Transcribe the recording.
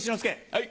はい！